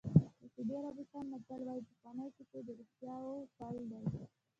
د سعودي عربستان متل وایي پخوانۍ کیسې د رښتیاوو پل دی.